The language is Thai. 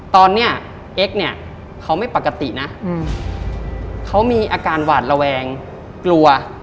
ตอนนี้เอ็กซ์เนี่ยเขาไม่ปกตินะเขามีอาการหวาดระแวงกลัว